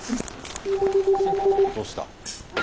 ☎どうした？